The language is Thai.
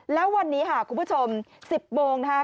แล้ววันนี้ค่ะคุณผู้ชม๑๐โมงนะคะ